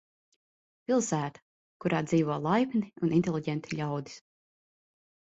Pilsēta, kurā dzīvo laipni un inteliģenti ļaudis.